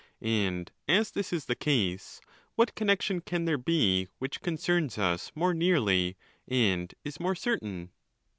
And as this is the case, what connexion can there be which concerns us more nearly, and is more certain